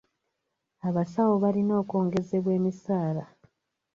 Abasawo balina okwongezebwa emisaala.